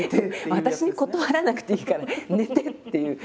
私に断らなくていいから寝て！っていう。